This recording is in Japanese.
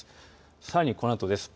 さらにこのあとです。